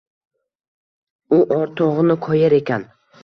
U oʻrtogʻini koyir ekan